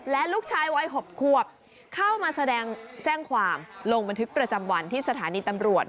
และลูกชายวัย๖ควบเข้ามาแสดงแจ้งความลงบันทึกประจำวันที่สถานีตำรวจ